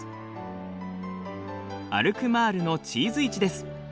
アルクマールのチーズ市です。